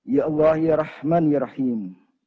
ya allah ya rahman ya rahim